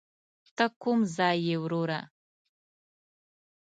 ته کوم ځای یې وروره.